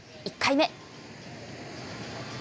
１回目。